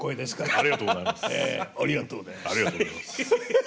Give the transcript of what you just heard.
ありがとうございます。